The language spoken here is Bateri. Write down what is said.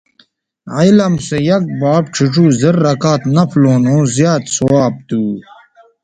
علم سویک باب ڇھیڇوزررکعت نفلوں نو زیات ثواب تھو